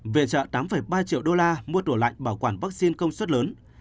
viện trợ tám ba triệu đô la mua tủ lạnh bảo quản vaccine công suất lớn